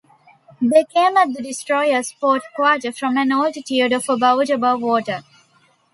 They came at the destroyer's port quarter from an altitude of about above water.